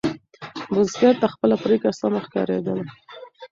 بزګر ته خپله پرېکړه سمه ښکارېدله.